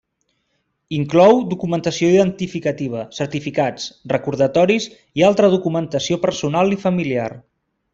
Inclou documentació identificativa, certificats, recordatoris i altra documentació personal i familiar.